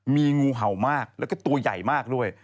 มีงูเห่ามากแล้วก็ตัวใหญ่มากด้วย